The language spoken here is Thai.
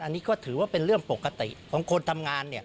อันนี้ก็ถือว่าเป็นเรื่องปกติของคนทำงาน